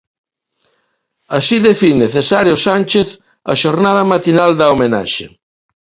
Así define Cesáreo Sánchez a xornada matinal da homenaxe.